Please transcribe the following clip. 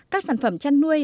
các sản phẩm chăn nuôi